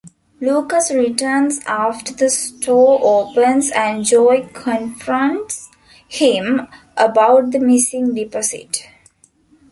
Lucas returns after the store opens and Joe confronts him about the missing deposit.